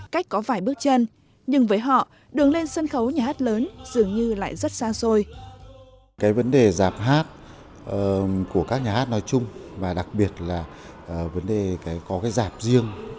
cách có vài bước chân nhưng với họ đường lên sân khấu nhà hát lớn